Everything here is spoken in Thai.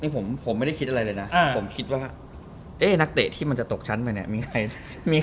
ผมไม่ได้คิดอะไรเลยนะผมคิดว่านักเตะที่มันจะตกชั้นไปเนี่ยมีใครมี